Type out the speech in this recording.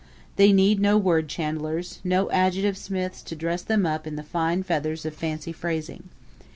They need no word chandlers, no adjective smiths to dress them up in the fine feathers of fancy phrasing.